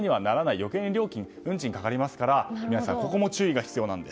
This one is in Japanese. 余計に運賃がかかりますから皆さんここも注意が必要なんです。